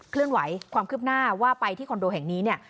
เลื่อนไหวความคืบหน้าว่าไปที่คอนโดแห่งนี้เนี่ย